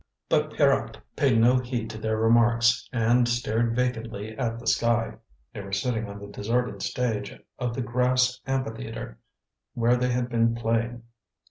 But Pierrot paid no heed to their remarks, and stared vacantly at the sky. They were sitting on the deserted stage of the grass amphitheatre where they had been playing.